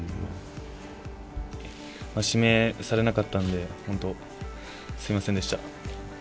指名されなかったので、すみませんでした。